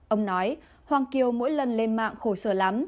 ông nói hoàng kiều mỗi lần lên mạng khổ sở lắm